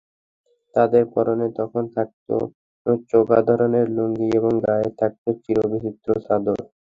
তাদের পরনে তখন থাকতো চোগা ধরনের লুঙ্গি এবং গায়ে থাকতো চিত্র-বিচিত্র চাদর।